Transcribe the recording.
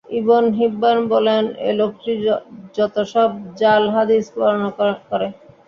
Ibn Hibban বলেন, এ লোকটি যতসব জাল হাদীস বর্ণনা করে।